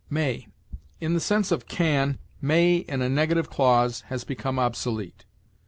MAY. In the sense of can, may, in a negative clause, has become obsolete.